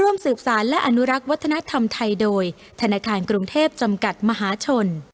ร่วมสืบสารและอนุรักษ์วัฒนธรรมไทยโดยธนาคารกรุงเทพจำกัดมหาชน